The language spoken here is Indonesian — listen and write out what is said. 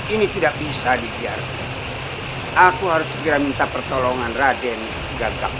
ini tidak bisa dibiarkan aku harus segera minta pertolongan raden gagap